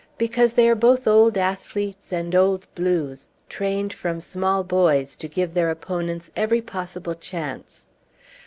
Because they are both old athletes and Old Blues, trained from small boys to give their opponents every possible chance!"